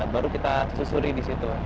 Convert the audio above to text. baru kita susuri di situ